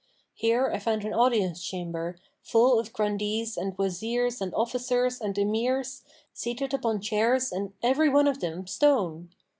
Here I found an audience chamber, full of Grandees and Wazirs and Officers and Emirs, seated upon chairs and every one of them stone.